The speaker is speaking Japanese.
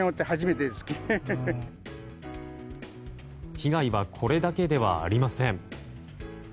被害はこれだけではありません。